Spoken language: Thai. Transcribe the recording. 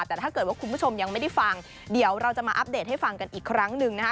แต่ถ้าเกิดว่าคุณผู้ชมยังไม่ได้ฟังเดี๋ยวเราจะมาอัปเดตให้ฟังกันอีกครั้งหนึ่งนะคะ